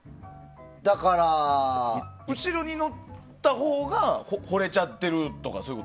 後ろに乗ったほうがほれちゃってるとか？